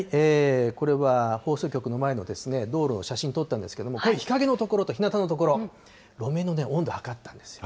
これは放送局の前の道路の写真撮ったんですけども、これ、日陰の所とひなたの所、路面の温度測ったんですよ。